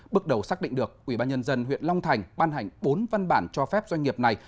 bước đầu xác định được ubnd huyện long thành ban hành bốn văn bản cho phép doanh nghiệp này